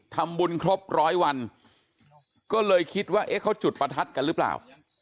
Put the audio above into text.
ทำบุญครบร้อยวันก็เลยคิดว่าเอ๊ะเขาจุดประทัดกันหรือเปล่า